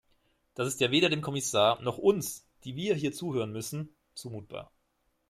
Das ist ja weder dem Kommissar noch uns, die wir hier zuhören müssen, zumutbar!